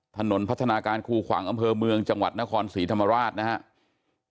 ถนนพัฒนาการคูขวางอำเภอเมืองจังหวัดนครศรีธรรมราชนะครับ